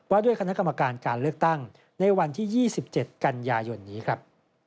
ด้วยคณะกรรมการการเลือกตั้งในวันที่๒๗กันยายนนี้ครับ